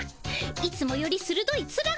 いつもよりするどいつらがまえ。